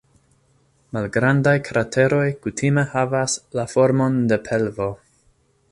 Malgrandaj krateroj kutime havas la formon de pelvo.